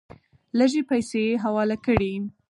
لږې پیسې حواله کړې.